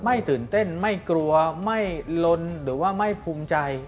ตื่นเต้นไม่กลัวไม่ลนหรือว่าไม่ภูมิใจ